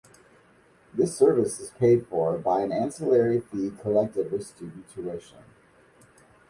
This service is paid for by an ancillary fee collected with student tuition.